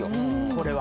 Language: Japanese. これは。